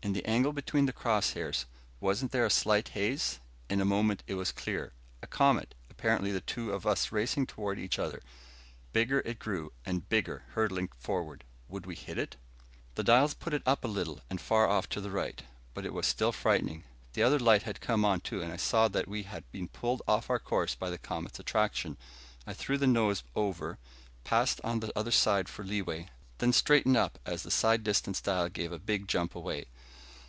In the angle between the cross hairs, wasn't there a slight haze? In a moment it was clear. A comet, apparently, the two of us racing toward each other. Bigger it grew and bigger, hurtling forward. Would we hit? The dials put it up a little and far off to the right, but it was still frightening. The other light had come on, too, and I saw that we had been pulled off our course by the comet's attraction. I threw the nose over, past on the other side for leeway, then straightened up as the side distance dial gave a big jump away.